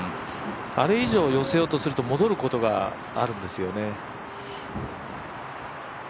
あれ以上、寄せようとすると戻ることがあるんですよね。